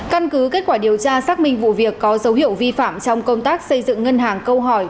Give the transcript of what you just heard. căn cứ kết quả điều tra xác minh vụ việc có dấu hiệu vi phạm trong công tác xây dựng ngân hàng câu hỏi